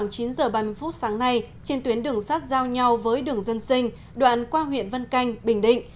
trước đó vào khoảng chín h ba mươi phút sáng nay trên tuyến đường sát giao nhau với đường dân sinh đoạn qua huyện vân canh bình định